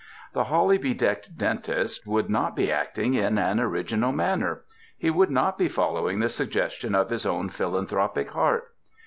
The holly bedecked dentist would not be acting in an original manner. He would not be following the suggestion of his own philanthropic heart.